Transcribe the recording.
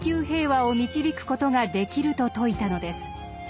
平和を導く事ができると説いたのです。